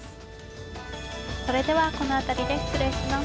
それではこの辺りで失礼します。